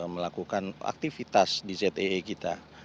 melakukan aktivitas di zee kita